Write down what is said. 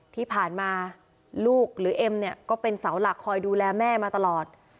ที่ผ่านมาลูกหรือเอ็มเนี่ยก็เป็นเสาหลักคอยดูแลแม่มาตลอด